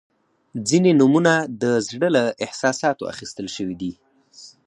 • ځینې نومونه د زړه له احساساتو اخیستل شوي دي.